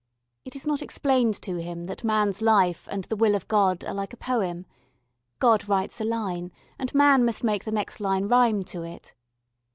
It is not explained to him that man's life and the will of God are like a poem God writes a line and man must make the next line rhyme to it.